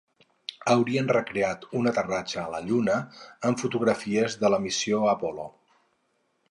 Haurien recreat un aterratge a la Lluna amb fotografies de la missió Apollo.